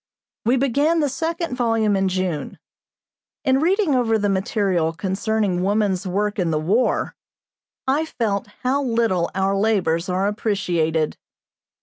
We began the second volume in June. In reading over the material concerning woman's work in the War, I felt how little our labors are appreciated.